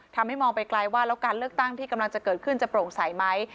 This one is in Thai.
มองไปไกลว่าแล้วการเลือกตั้งที่กำลังจะเกิดขึ้นจะโปร่งใสไหม